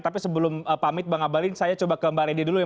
tapi sebelum pamit bang abalin saya coba ke mbak ledia dulu ya